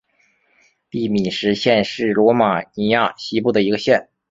蒂米什县是罗马尼亚西部的一个县。